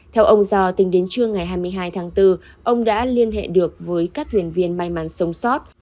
theo ông do tính đến trưa ngày hai mươi hai tháng bốn ông đã liên hệ được với các thuyền viên may mắn sống sót